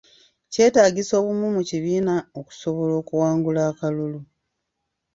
Kyetaagisa obumu mu kibiina okusobola okuwangula akalulu.